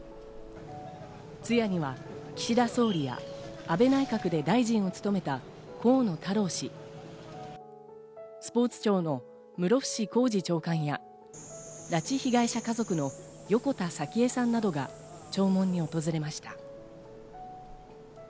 通夜には岸田総理や、安倍内閣で大臣を務めた河野太郎氏、スポーツ庁の室伏広治長官や、拉致被害者家族の横田早紀江さんなどが弔問に訪れました。